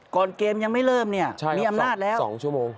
ก่อนเกมยังไม่เริ่มมีอำนาจร์สองชั่วโมง